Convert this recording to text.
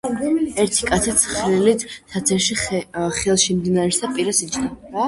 ერთი კაცი ცხრილით საცერით ხელში მდინარისა პირას იჯდა.